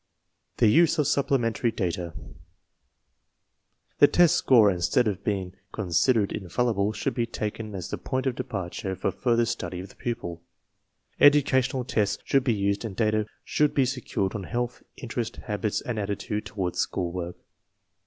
The use of supplementary data. The test score, in stead of being considered infallible, should be taken as the point of departure for further study of the pupil. [ucational tests should be use d and data should be secured on health, Jnterests, liabits, ancl altitude toward school work.